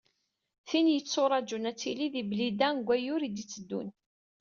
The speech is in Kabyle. Tin i yetturaǧun ad tili di Blida deg wayyur i d-itteddun.